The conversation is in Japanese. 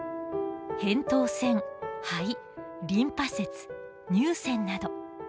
扁桃腺肺リンパ節乳腺など。